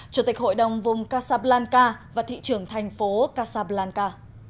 chủ tịch hội đồng vùng casablanca và thị trưởng thành phố casablanca